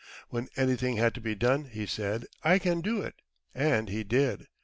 When anything had to be done, he said, "I can do it," and he did.